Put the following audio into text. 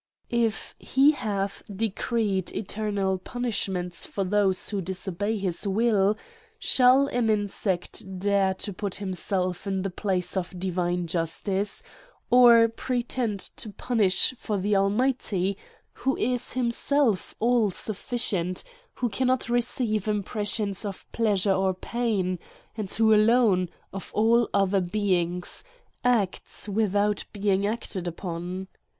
If he hath decreed eternal punishments for those who disobey his will, shall an insect dare to put himself in the place of divine justice, or pretend to punish for the Almighty, who is himself all sufficient, who cannot receive impres sions of pleasure or pain, and who alone, of all other beings, acts without being acted upon?